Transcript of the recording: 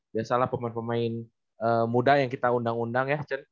biasalah pemain pemain muda yang kita undang undang ya